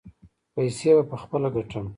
پیسې به پخپله ګټم.